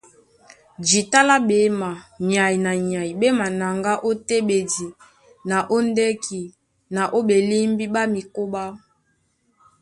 Jǐta lá ɓéma, nyay na nyay ɓé manaŋgá ó téɓedi na ó ndɛ́ki na ó ɓelímbí ɓá mikóɓá.